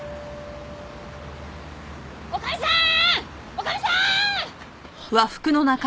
女将さん！